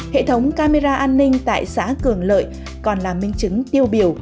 hệ thống camera an ninh tại xã cường lợi còn là minh chứng tiêu biểu